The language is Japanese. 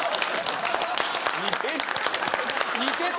似てた！